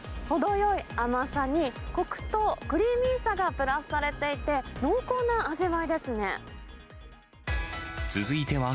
程よい甘さに、こくとクリーミーさがプラスされていて、濃厚な味わいですね。